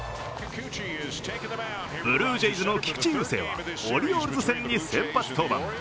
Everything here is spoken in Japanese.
ブルージェイズの菊池雄星はオリオールズ戦に先発登板。